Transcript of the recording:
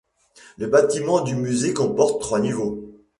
Le bâtiment du musée comporte trois niveaux.